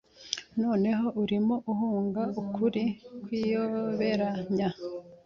Noneho, urimo uhunga ukuri kwiyoberanya